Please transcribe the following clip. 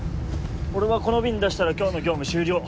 俺はこの便出したら今日の業務終了。